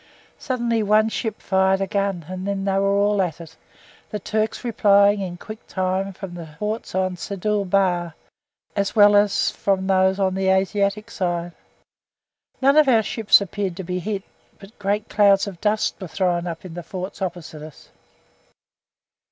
Suddenly one ship fired a gun, and then they were all at it, the Turks replying in quick time from the forts on Seddul Bahr, as well as from those on the Asiatic side. None of our ships appeared to be hit, but great clouds of dust were thrown up in the forts opposite us.